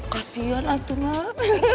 kasian atuh gak